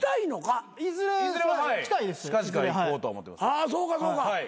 あそうかそうか。